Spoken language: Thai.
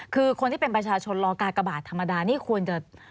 คือคนที่เป็นประชาชนรอกากบาทธรรมดานี่ควรจะ